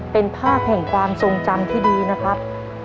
เป็นภาพแห่งความทรงจำที่ดีนะครับ